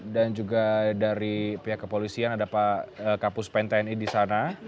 dan juga dari pihak kepolisian ada pak kapus pen tni di sana